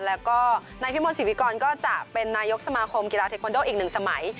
แล้วก็นายพิมลศิวิกรก็จะเป็นนายกสมาคมกีฬาเทคอนโดอีกหนึ่งสมัย